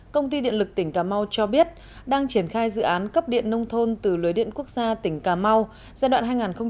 công ty điện lực tỉnh cà mau cho biết đang triển khai dự án cấp điện nông thôn từ lưới điện quốc gia tỉnh cà mau giai đoạn hai nghìn một mươi tám hai nghìn hai mươi